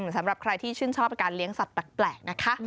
สำหรับใครที่ชื่นชอบการเลี้ยงสัตว์แปลกนะคะ